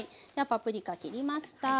パプリカ切りました。